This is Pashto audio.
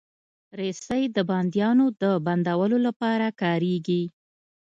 رسۍ د بندیانو د بندولو لپاره کارېږي.